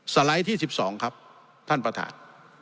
ไลด์ที่๑๒ครับท่านประธาน